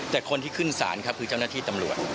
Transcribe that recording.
แต่คนที่ขึ้นศาลครับคือเจ้าหน้าที่ตำรวจ